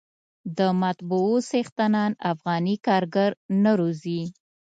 د مطبعو څښتنان افغاني کارګر نه روزي.